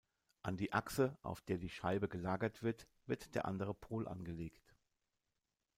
An die Achse, auf der die Scheibe gelagert wird, wird der andere Pol angelegt.